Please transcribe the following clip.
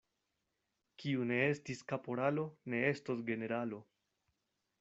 Kiu ne estis kaporalo, ne estos generalo.